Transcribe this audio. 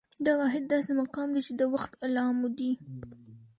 دا واحد داسې مقام دى، چې د وخت د علامو دى